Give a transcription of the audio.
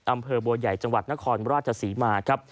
อำเภอบัวใหญ่จังหวัดนครราชศรีมาครับ